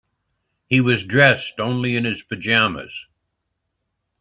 He was dressed only in his pajamas.